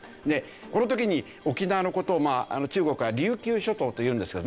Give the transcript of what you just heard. この時に沖縄の事を中国は琉球諸島というんですけどね